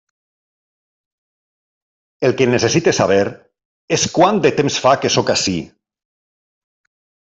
El que necessite saber és quant de temps fa que sóc ací.